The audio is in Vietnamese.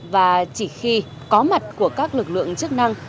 và chỉ khi có mặt của các lực lượng chức năng